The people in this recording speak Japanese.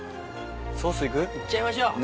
行っちゃいましょう！